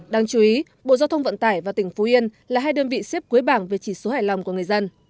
đáng chú ý bộ giao thông vận tải và tỉnh phú yên là hai đơn vị xếp cuối bảng về chỉ số hài lòng của người dân